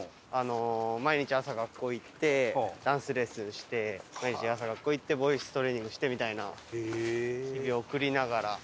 毎日朝学校行ってダンスレッスンして毎日朝学校行ってボイストレーニングしてみたいな日々を送りながら。